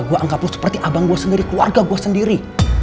gue anggaplah seperti abang gue sendiri keluarga gue sendiri